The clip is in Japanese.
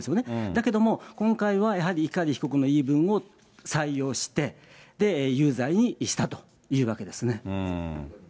だけども、今回はやはり碇被告の言い分を採用して、有罪にしたというわけですね。